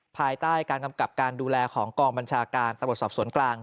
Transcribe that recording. ภายใต้การกำกับการดูแลของกองบัญชาการตำรวจสอบสวนกลาง